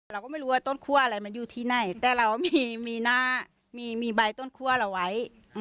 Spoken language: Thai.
เราก็ไม่รู้ว่าต้นคั่วอะไรมันอยู่ที่ไหนแต่เรามีหน้ามีใบต้นคั่วเราไว้